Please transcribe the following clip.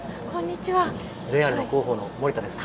ＪＲの広報の森田です。